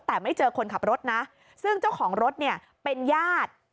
แต่ไม่เจอคนขับรถนะซึ่งเจ้าของรถเนี่ยเป็นญาติ